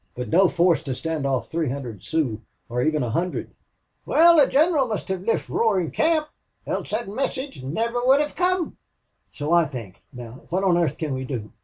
But no force to stand off three hundred Sioux, or even a hundred." "Wal, the gineral must hev lift Roarin' City else thot message niver would hev come." "So I think.... Now what on earth can we do?